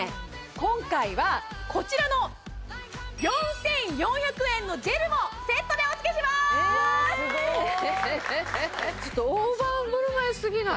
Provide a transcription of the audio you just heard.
今回はこちらの４４００円のジェルもセットでおつけしまーすスゴーいちょっと大盤ぶるまいすぎない？